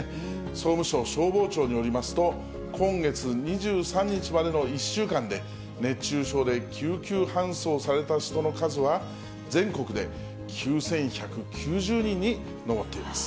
総務省消防庁によりますと、今月２３日までの１週間で、熱中症で救急搬送された人の数は、全国で９１９０人に上っています。